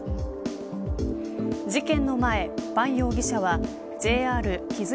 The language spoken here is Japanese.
事件の前、バン容疑者はＪＲ衣摺